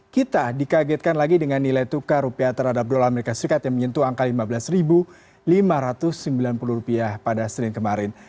kita dikagetkan lagi dengan nilai tukar rupiah terhadap dolar as yang menyentuh angka lima belas lima ratus sembilan puluh rupiah pada senin kemarin